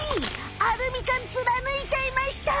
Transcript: アルミ缶つらぬいちゃいました！